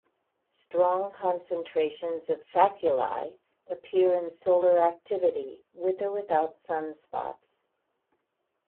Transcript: Strong concentrations of faculae appear in solar activity, with or without sunspots.